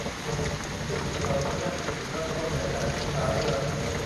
ซึ่งสิ่งเหล่านี้น่าจะเป็นจุดเริ่มต้นในการศึกษาเรื่อง